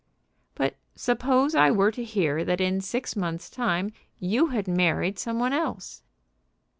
"But suppose I were to hear that in six months' time you had married some one else?"